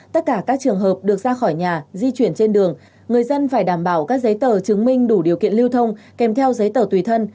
tất cả các trường hợp được ra khỏi nhà di chuyển trên đường người dân phải đảm bảo các giấy tờ chứng minh đủ điều kiện lưu thông kèm theo giấy tờ tùy thân